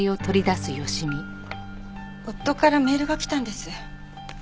夫からメールが来たんです。